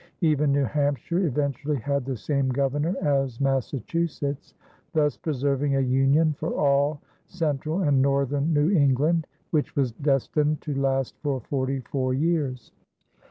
Even New Hampshire eventually had the same governor as Massachusetts, thus preserving a union for all central and northern New England, which was destined to last for forty four years.